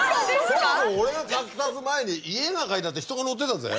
そもそも俺が描き足す前に家が描いてあって人が乗ってたぜ。